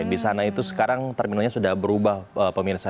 di sana itu sekarang terminalnya sudah berubah pemirsa